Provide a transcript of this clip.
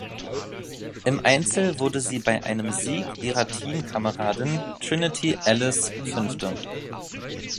Im Einzel wurde sie bei einem Sieg ihrer Teamkameradin Trinity Ellis Fünfte.